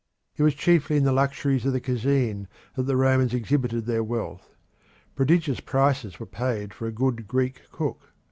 It was chiefly in the luxuries of the cuisine that the Romans exhibited their wealth. Prodigious prices were paid for a good Greek cook.